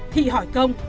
thị hỏi công